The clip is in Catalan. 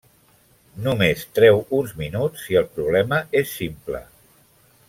Només treu uns minuts si el problema és simple.